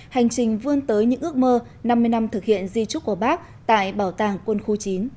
hành trình vươn tới những ước mơ năm mươi năm thực hiện di trúc của bác tại bảo tàng quân khu chín